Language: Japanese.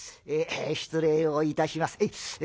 「失礼をいたします。